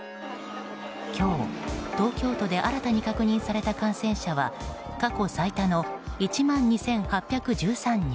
今日、東京都で新たに確認された感染者は過去最多の１万２８１３人。